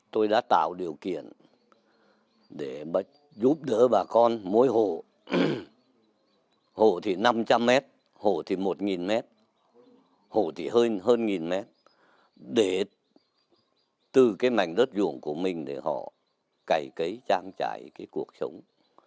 tôi đã tạo điều kiện để giúp đỡ bà con mỗi hồ hồ thì năm trăm linh mét hồ thì một mét hồ thì hơn một mét để từ cái mảnh đất ruộng của mình để họ cày cấy trang trải cái cuộc sống